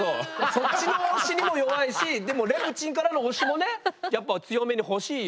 そっちの押しにも弱いしでもレプチンからの押しもねやっぱ強めに欲しいよ。